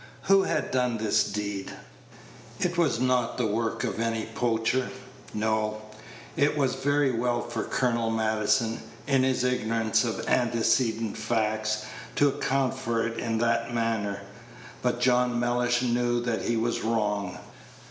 Who had done this deed? It was not the work of any poacher. No. It was very well for Colonel Maddison, in his ignorance of antecedent facts, to account for it in that manner; but John Mellish knew that he was wrong.